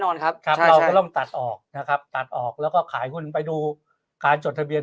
นอนครับตัดออกนะครับตัดออกแล้วก็ขายหุ้นไปดูการจดทะเบียน